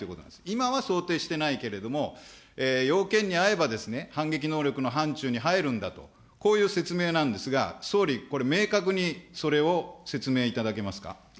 今は想定してないけれども、要件に合えば、反撃能力の範ちゅうに入るんだと、こういう説明なんですが、総理、これ、明確にそれを説明いただけますか。